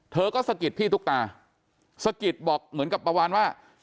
เธอก็สะกิดพี่ตุ๊กตาสะกิดบอกเหมือนกับประมาณว่า